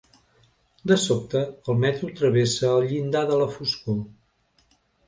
De sobte el metro travessa el llindar de la foscor.